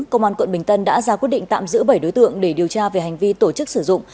công an quận bình tân đã ra quyết định tạm giữ bảy đối tượng để điều tra về hành vi tổ chức sử dụng